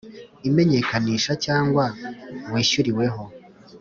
imenyekanisha cyangwa wishyuriweho